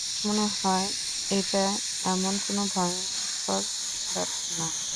মনে হয় এটা এমন কোনো ভয়ঙ্কর ব্যাপার না।